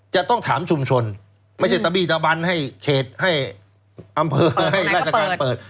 จะต้องถามชุมชนไม่ใช่ตะบี้ตะบันให้เขตให้อำเภอให้ราชการเปิด